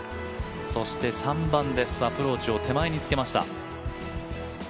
そして３番です、アプローチを手前につけました。